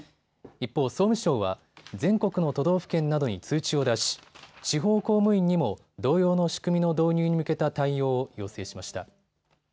一方、総務省は全国の都道府県などに通知を出し地方公務員にも同様の仕組みの導入に向けた対応を要請しました。